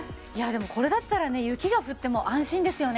これだったらね雪が降っても安心ですよね。